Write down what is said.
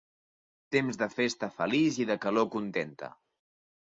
Temps de festa feliç i de calor contenta.